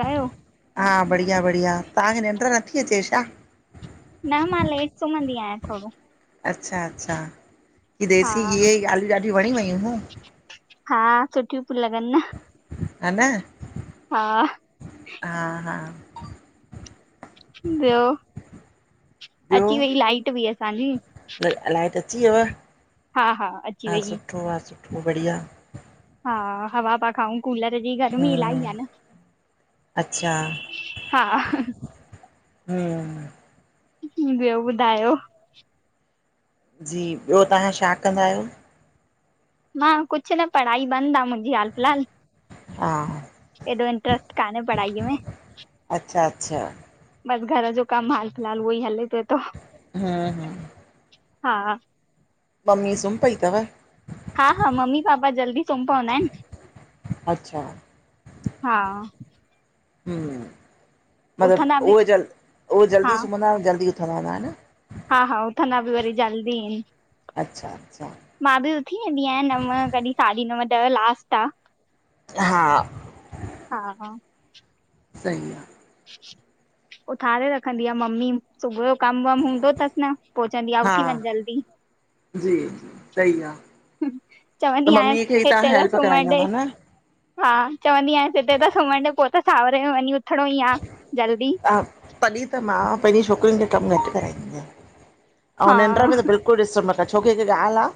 कयो हा बढ़िया- बढ़िया, तहांखे निंड्र नथी अचे छा? न मां लेट सुम्हंदी आहियां थोड़ो। अच्छा -अच्छा, की हा देसी गीह जी गाल्हियूं ॾाढि वणीं वयूं हूं। हा सुठियूं पियूं लॻनि न। ह न - - हा - - हा- हा - - ॿियो, ॿियो अची वई लाईट बि असांजी। ल, लाइट त अची वियव। हा हा अची वई। सुठो आ सुठो बढ़िया। हा हवा पा खाऊं। कूलर जी, गर्मी हम्म इल्हाई आ न अच्छा हा। हम्म - - ह ॿयो ॿुधायो। ॼी ॿयो तां शा कंदा आयो। मां कुछ न पढ़ाई बंद आ मुंॼी हाल फ़िलहाल। हा एॾो इंट्रेस्ट काने ए पढ़ाई में। अच्छा अच्छा ॿस घर ॼो कम हाल फ़िलहाल उयो ई हले पये तो। हुं-हुं हा मम्मी सुम पई तव? हा-हा मम्मी-पापा जल्दी सुम पवंदा आयन। अच्छा हा उथंदा मतलब बि उयो जल उयो जल्दी सुमंदा जल्दी उथंदा हूंदा ह न? हा-हा उथना ॿि वरी जल्दी आयन। अच्छा-अच्छा मां ॿि उथी वेंदी आयां नव कॾि साॾी नव ॾह लास्ट आ। हा हा-हा सई आ उथारे रखंदी आ मम्मी। सुबु ॼो कम वम हूंदो तस ना पो चवंदी आ हा उथी वञ जल्दी। जी, सई आ। चवंदी आयां, हिते त हेल्प कराईंदा सुूमण ॾे हूंदा न? हा चवंदी आयां, हिते त सुमण ॾे पो त सावरे में वञी उथणो ई आ जल्दी। हा तॾि त मां पैंजी छोकरियुन खे कम घट कराईंदी आयां ऐं हा निंड में त बिल्कुल कुॾिस मक छोकी हिक ॻाल आ।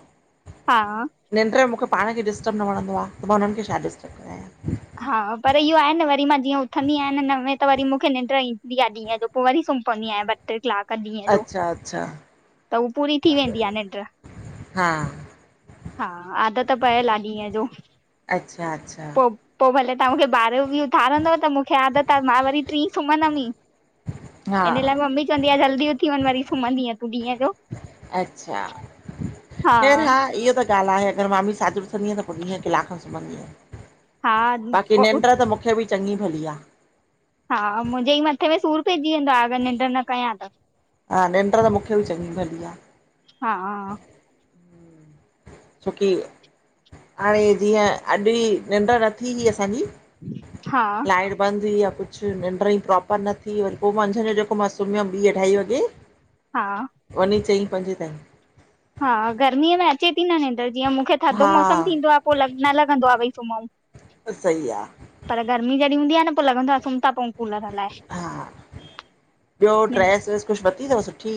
हाआ निंड में मूंखे पाण खे डिस्टर्ब न वणंदो आ त मां हुनन खे छा डिस्टर्ब जा कयां। हा पर इयो आ न वरी मां जीअं उथंदी आयां न नवें त वरी मूंखे निंड ईंदी आ ॾींअ ॼो। पो वरी सुम पवंदी आयां ॿ ॿ-टे कलाक ॾींअ ॼो अच्छा अच्छा त उ पूरी थी वेंदी आ निंड। हा हा आदत पयल आ ॾींअ जो। अच्छा-अच्छा पो पो भले तां मूंखे ॿारह ॿि उथारंदव त मूंखे आदत आ मां वरी टीं सुमदम ई। हा हिन लाइ मम्मी चवंदी आ जल्दी उथी वञ वरी सुमदीं तूं ॾींअ ॼो। अच्छा ख़ैर हा इयो त ॻाल आहे अगर मां भी साजुर हींअ त पो ॾींहं कलाक सुमदीअ आयां हा बाक़ी निंड त मूंखे ॿि चङी भली आ। हा मुंजे ई मथे में सूर पैजी वेंदो आ। अगर निंड न कयां त हा निंड त मूंखे ॿि चङी भली आ। हाअ। छोकी हाणे जीअं अॼ ई निंड न थी ही असांजी। हा लाइट बंद हुई आ कुछ निंड ई प्रोपर न थी वरी पो मंझंन जो जेको मां सुमयम ॿी-अढाई वॻे। [inaudible] हाआ वञी चईं पंजे ताईं। हा गर्मीअ में अचे थी न निंड, जीअं मूंखे थधो हा मौसम थींदो आहे, पोइ न लॻंदो आहे भई सुम्हूं। सही आहे पर गर्मी जॾहिं हूंदी आहे न, पोइ लॻंदो आहे सुम्ह था पऊं कूलर हलाए। हा, ॿियो निंड ड्रैस वैस कुझु वर्ती अथव सुठी?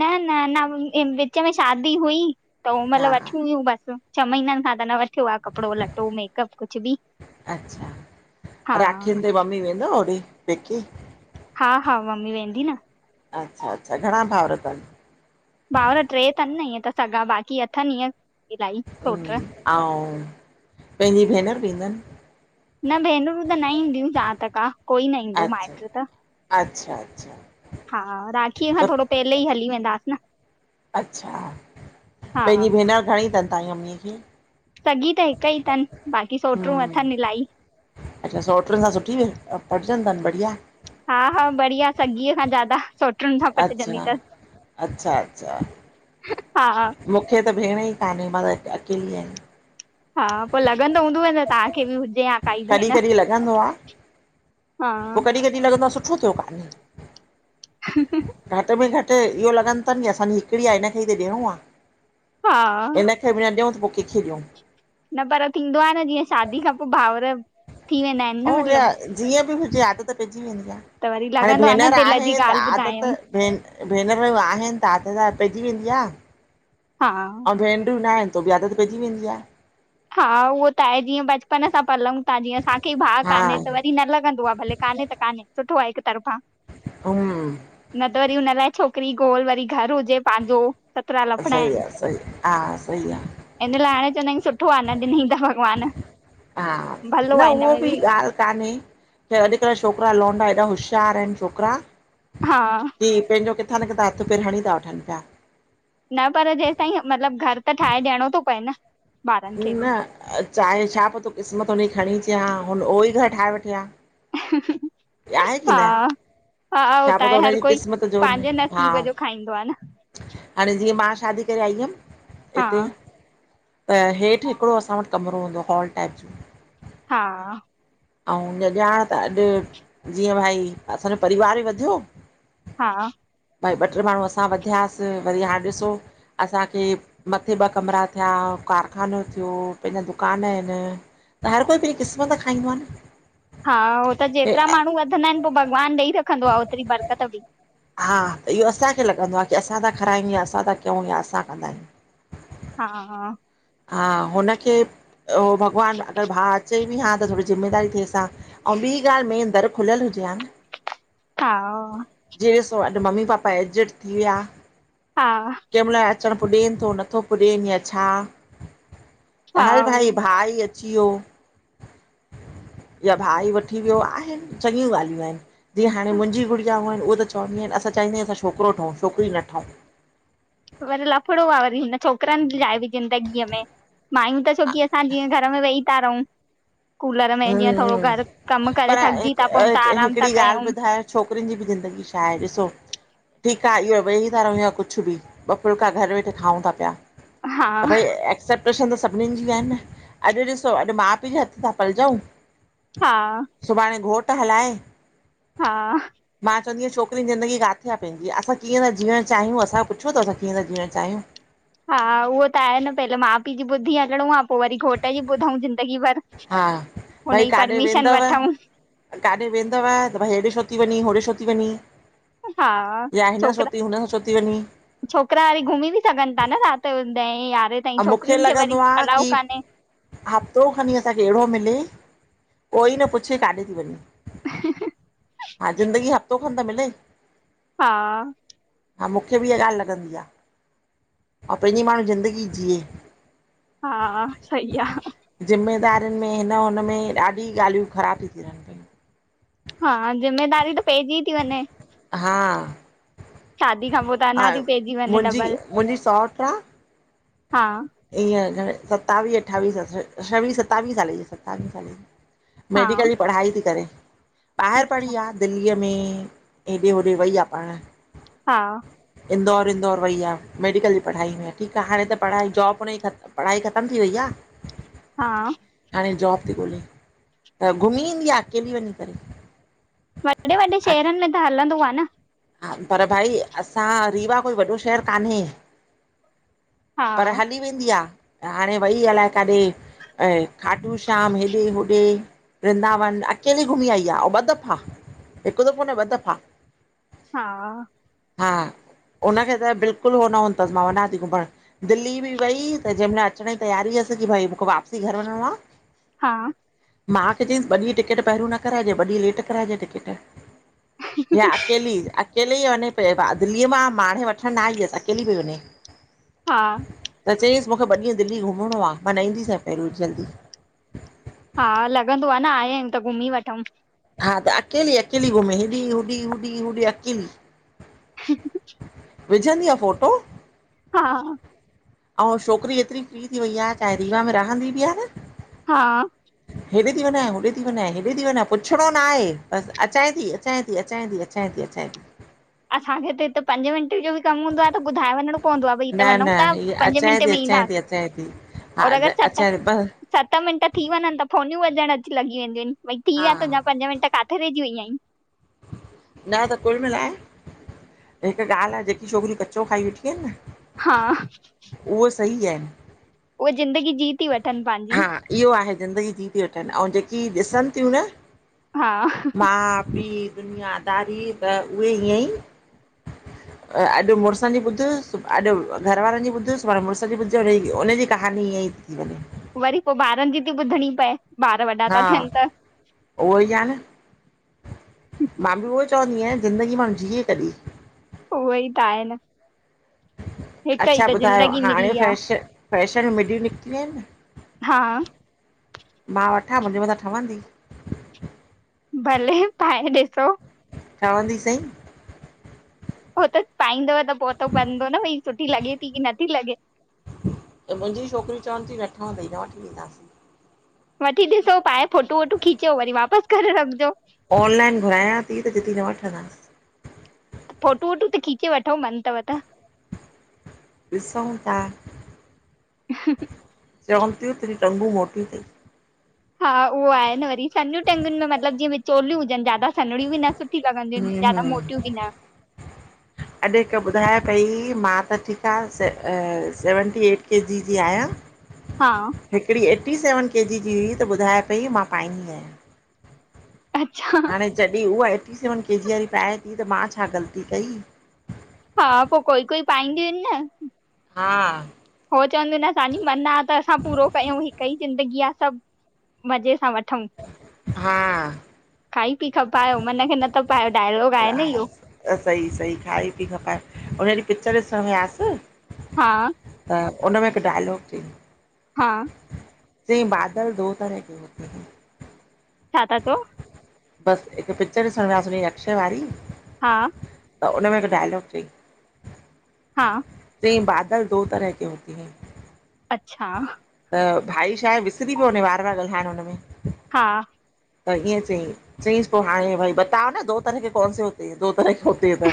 न-न-न विच में शादी हुई त हो हा मतलब वठी हुयूं बसि। छह महननि खा त न वठी थियो आहे कपिड़ो लटो मेकअप कुझ बि, हा कॾहिं वेंदव होॾे फेंके? हा हा मम्मी वेंदी न। अच्छा, अच्छा। घणा भााउर अथनि? भाउर टे अथनि न ईअं त सगा बाक़ी थनि ईअं इलाही। सोट ऐं पंहिंजी भेनर बि ईंदनि? न भेनरूं त न ईंदियूं जहां तकतां आहे कोई न ईंदो अच्छा माइट त। अच्छा, अच्छा हा, राखीअ खां त थोरो पहले ई हली वेंदास न। अच्छा, हा पंहिंजी भेनरु घणी अथनि तव्हांजी मम्मीअ खे? सॻी त हिकु ई थनि। बाक़ी सोटूं हम्म, अथनि इलाही। अच्छा सौटनि खां सुठी पटजनि अथनि बढ़िया? हा हा बढ़िया। सॻीअ खां ज्यादा सोटूं नि सां पटजंदी अच्छा अथस। अच्छा अच्छा हा मूंखे त भेण ई कान्हे, मां त अकेली आहियां। हा पो लॻंदो हूंदव न तव्हांखे बि हुजे हां काई कॾहिं भेण। हा पो कॾीं कॾीं लॻंदो आहे सुठो थियो, कान्हे घटि में घटि इहो लॻनि अथनि की असां हिकिड़ी आहे, हिन खे ई त ॾियणो आहे। हा। ख बि ॾियऊं, त पोकहिंखे ॾियऊं न पर थींदो आहे न जीअं शादी खां पोइ भाउर थी वेंदा आहिनि ऐं इहा जीअं बि हुजे आदत पइजी वेंदी आ। त वरी हाणे लॻंदो आ न भेनर दिल आहे जी त ॻाल्हि आदत ॿुधायूं भे भेनरूं आहिनि, त हा त त पइजी वेंदी आ हा। भेनरयूं न आहिनि त बि आदत पइजी वेंदी आ। हा उहो त आहे। जीअं बचपन सां पलऊं था जीअं असांखे भाउ हा कान्हे त व न लॻंदो आहे भले काने त काने। सुठो आ हिकु तरफ़ा हम्म। न त वरी हुन लाइ छोकिरी गोल, वरी घर हुजे पांजो। सही आहे, सही। हा, सई आ हिन लाइ हाणे चइना आहिनि सुठो आ, न ॾिनईंदा भॻवान हा भलो आहे हिन में बि। ॻाल्हि कान्हे छ अॼुकल्ह छोकिरा लोंडा, हेॾा होश्यार आहिनि छोकिरा हा। क पंहिंजो किथां न किथां हथ पेर हणी था वठनि पिया। न पर जेसि ताईं मतलब घर त ठाहे ॾियणो थो पए न। ॿारन खे न बि चाहे छा पोइ तूं क़िस्मत हुनजी खणी अचे हा। हुन उहो ई घरु ठाहे वठी हा। ह-ह। हा आहे की न -हा, हो छा त आहे, पतो हर हुनजी कोई क़िस्मत जो पंहिंजे हा नसीब जो खाईंदो आहे न! हाणे जीअं मां शादी करे आई हुयमि हा हिते त हेठि हिकिड़ो असां वटि कमिरो हूंदो हुयो हॉल टाइप जो। हा ऐं न ॼाण त अॼु जीअं भाई असांजो परिवार ॿ वधियो हा भई ॿ ट्रे माण्हू असां ॿ वधियासीं, वरी हाणे ॾिसो असांखे मथे ॿ कमरा थिया, कारखानो थियो, पंहिंजा दुकान आहिन। त हर कोई पहिरीं क़िस्मत खाईंदो आ न। हा हो त हे जेतिरा माण्हू वधंदा आहिन, पो भॻवानु ॾेई रखंदो आ ओतिरी बरकत बि। हा त इहो असांखे लॻंदो आ कि असां था खारायूं या असां था कयूं या असां कंदा आहियूं। हा हा हा हुनखे उ भॻवानु, अगर भाउ अचे बि हां त थोड़ी ज़िमेदारी ॾिएस आं। अंउ ॿी ॻाल मेंन दर खुलियल हुजे हां न! हा जिंए ॾिसो अॼु मम्मी पापा एजेड थी विया हा कंहिंमहिल अचणु पुॼेनि थो, नथो पुॼन या छा। त हा हल भाई भाउ ही अची वियो। या भाई वठी वियो आहिन, चङियूं ॻाल्हियूं आहिन जीअं हाणे मुंजी उ त चंइंदी आहिन असां चाहिदायूं असां छोकिरो ठहूं, छोकिरी ना ठहूं। वरी लफड़ो आ वरी हिन छोकिरनि लाए बि ज़िंदगीअ में। माययूं त छोकी असां जीअं घर में वेही था रहूं कूलर में जीअं थोड़ो घरु कमु करे पर थकिजी था पऊं त आराम था हिकड़ी ॻाल्हि कयूं। ॿुधायो छोकिरियुनि जी बि ज़िंदगी छा आहे ॾिसो। ठीकु आ इहो वेई था रहूं कुछ बि, ॿ फुलका घरु वेठे खाऊं था पिया। हा त भई एक्सेप्टेशन त सभिनीनि जी आहे न, अॼु ॾिसो अॼु माउ पीउ जे हथ सां पलजाऊं! हा सुभाणे घोट हलाए हा मां चवंदी आंयां छोकरीन जी ज़िंदगी कारें आ पंहिंजी असां कीअं ता जीअण चाहियूं, अंसा पुछो अथव कीअं था जीअण चाहियूं! हा उहो त आहे न, पहले माउ पीउ जी ॿुधी हलणो आ, पो वरी घोट जी ॿुधऊ ज़िंदगी भर। हा, भई हुनजी काॾे परमिशन वेंदव? वठूं काॾे वेंदव त भई हेॾे छो थी वंञी, होॾे छो थी वंञी! हा या हिन सां छो छोकिरा ती वंञी, हुन सां छो थी वंञी! छोकिरा वरी घुमी बि सघन था न रात जो ॾहें यारहें ताईं, ऐं मूंखे छोकिरियुनि खे वरी लॻंदो आ अलाऊ की कान्हे। हफ़्तो खणी असांखे हेड़ो मिले कोई न पुछे काॾे थी वंञी। हा, ज़िंदगी हफ़्तो खन त मिले! हा हा मूंखे बि इहा ॻाल लॻंदी आ ऐं पंहिंजी माण्हू ज़िंदगी जीउ [inaudible] हा, सईी आ। ज़िमेदारियुनि में, हिन हुनमें, ॾाढी ॻाल्हियूं ख़राबियूं रहन पयूं। हा ज़िम्मेदारी त पइजी थी वंञें। हा शादी खां पोइ त अञा हा थी पइजी वञे मुंहिंजी डबल मुंहिंजी सौट हा ईअं घणे सतावीह अठावीह स छवीह सतावीह साले जी सतावीह साले जी हा मेडिकल जी पढ़ाई थी करे ॿाहिरि अच्छा पढ़ी आ। दिल्लीअ में हेॾे होॾे वई आ पाण हा इंदौर विदौर वई आ मेडिकल जी पढ़ाई में ठीक आ हाणे त पढ़ाई जॉब उन पढ़ाई ख़तम थी वई आ। हा हाणे जॉब थी ॻोल्हे त घुमी ईंदी आहे अकेली वञी करे। वॾे वॾे शहरनि में त हलंदो आ न हा पर भई असां रीवा कोई वॾो शहरु कान्हे। हा पर हली वेंदी आ हाणे वई अलाए काॾे। ऐं खाटू श्याम हेॾे होॾे वृंदावन अकेली घुमी आई आ अं ॿ दफ़ा हिकु दफ़ो न ॿ दफ़ा। हा हा हुनखे त बिल्कुल उहो न हूंदो थसि मां वञा थी घुम्मण। दिल्ली बि वई त जंहिंमहिल अचण जी तयारी हुअसि की भई मूंखे वापसी घर वञिणो आ। हा मां खे चईसि ॿ ॾींह टिकट पहिरियों न कराइजे ॿ ॾींहं लेट कराइजे टिकेट। या अकेली अकेले ई वञे पियो भ दिल्लीअ मां माणे वठणु न आई हुयसि अकेली पई वञे। हा त चयईसि मूंखे ॿ ॾींहं दिल्ली घुमणो आहे मां न ईंदी सई पहिरि जल्दी। हा लॻंदो आ न आया आहियूं त घुमी वठूं। हा त अकेली अकेली घुमे हेॾी होॾी होॾी होॾी अकेली। [unintelligible] विझंदीआ फोटो हा हा ओं छोकिरी एतिरी फ्री थी वई आ चाहे रीवा में रहंदी बि आ न। हा ह हेॾे थी वञाां होॾे थी वञा हेॾे थी हेॾे थी वञाए होंॾे थी वञाए हेॾे थी वञे पुछणो ना आहे बसि अचे थी अचे थी अचे थी अचे थी अचे थी। असांजे हिते पंजे मिंट जो कम हूंदो आहे ॿुधाए वञणो पवंदो आहे भई हिते न वञूं न त हीअ पंजे अचांए मिंटे थी में अचांए थी अचांए थी, हा ईंदासीं और अगरि छात अचांए थी बसि सत मिंट थी वञन त फोनियूं वजण अची लॻ वेंदूं आहिन भई थी हा विया तूंंहिंजा पंज मिंट काथे। किथे रहिजी वई आहीं - - न त कुल मिलाई हिक ॻाल्ह आ जेकी छोकिरी कचो खाई वेठि आहिन न। हा - - उहो सई आहे न उह ज़िंदगी जी तीवठ् हा इहो आहे ज़िंदगी जी थी वठनि ऐं जेकी ॾिसन थियूं न। हा - - माउ पीउ दुनियादारी त उहे हीअं ई। अॼु मुॾुसन जी ॿुध अॼु घरवारनि जी ॿुध सुभाणे मुॾुस जी ॿुध हुनजी कहानी ईअं थी। [inaudible] वरी पोइ ॿारनि जी थी ॿुधणी पए ॿार वॾा हा था थियन त। उहो ई आहे न मां बि उहो ई चवंदी आहियां ज़िंदगी मां जीए कॾहिं? उह ई त आहे न। हिक ई अच्छा त ॿुधायो ज़िंदगी हाणे मिली आहे फैश फैशन मिढियूं निकितियूं आहिन। हा - - मां वठां मुंहिंजे मथां ठहंदी? पहले पाए ॾिसो? ठवंदी सईं - - हो त पाईंदव त पोइ पतो पवंदो न भई सुठी लॻे थी की नथी लॻे। त मुंहिंजी छोकिरी चवन थीय नठवंदोय त न वठी वेंदास। वठी ॾिसो पाए फोटू वोटू खीचो वरी वापस करे रखिजो। ऑनलाइन घुरायां थी त चवंती न वठंदा - - फोटू वोटू त खीचे वठो मन अथव त। ॾिसौ था। ह - - चवनि थियूं तुंझु टंगू मोटी अथई। हा उहो आहे न वरी सनयूं टेंंगुनि में मतलबु जीअं विचोलियूं हुजन ज्यादा सनड़ियूं बि न सुठूं - - हूं -हूं। अॼु हिकु ॿुधाय पई मां त ठीक आ सेवनटी एट के जी - - जी आहियां हा हिकिड़ी एटी सेवन के जी जी हुई त ॿुधाय पेई मां पाईंदी आहियां। अच्छा - - हाणे जॾहिं उहा एटी सेवन के जी वारी पाए थी त मां छा ग़लती कई। हा पोइ कोई -कोई पाईंदियूं आहिन न। हा - - हो चवंदी न असांजी मन आ त असां पूरो कयूं हिक ई ज़िंदगी आहे सभु - - मज़े सां वठूं - - हा - - खाई पी ख पायो मन खे न त पायो डायलॉग। आहे न इहो हा सही- सही खाई पी खपाए उन ॾिई पिचर ॾिसणु वयासी - - हा - - त उनमें हिकु डायलॉग थी। हा - - चय ई बादल दो तरह जी होत - - छा था चओ? बस हिकु पिचर ॾिसण वियासीं अक्षय वारी। हा - - त हुनन में हिकु डायलॉग तई - हा च इ बादल दो तरह के हुत है अच्छा त भाई छा आहे विसरी पियो वञे वार- वार ॻाल्हाइणु हुनमें। हा त ईएंं चईं चईसि पो हाणे भई बतायो न दो तरह के कोने दो तरह होत ह त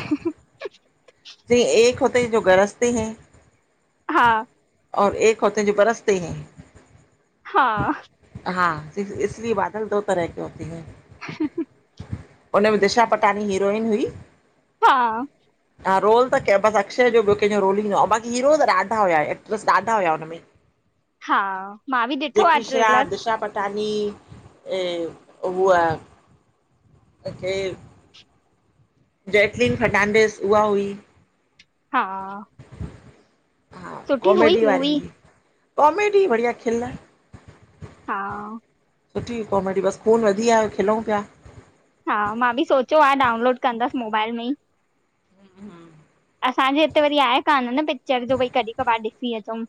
जी हिकु होत जो गरज ते है। हा। औ एक होते जो बरसते हैं। हा। हा, इसलिए बादल दो तरह के होते हैं, उन्हमें दिशा पटानी हीरोइन हुई हा। ह रोल त केंह, बसि अक्षय जो ॿियो कंहिंजो रोल ही ना हुयो, अंउं बाकी हीरो त ॾाढा हुया एक्ट्रस ॾाढा हुया उन्ह में। अ [inaudible] हा मां बि ॾिठो आ ट्रेलर तहांजी ऐं हूव केरु जैकलीन फर्नांडिस उहा हुई हा। हा सुठी हुई कॉमेडी वारी मूवी हुई, कॉमेडी बढ़िया खिल। हा। सुठी कॉमेडी, बसि खून वधी आयो खिलंउं पिया। हा मां बि सोचियो आ डाउनलोड कंदसि मोबाइल में ई। हम्म -हम्म असांजे हिते वरी आहे कान्ह न पिक्चर जो भई कॾीहि कबार ॾिसी अचंउं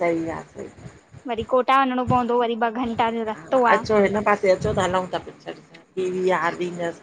सही आ सही वरी कोटा वंञिंणो पवंदो वरी ॿ घंटा जो रस्तो आ। पो हिन पासे हिते अचो त हलंऊं ता पिक्चर ॾिसण पी वी आर, वीनस।